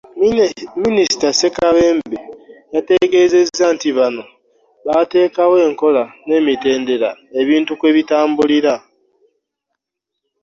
Minisita Ssekabembe yategeezezza nti bano baateekawo enkola n'emitendera ebintu kwe bitambulira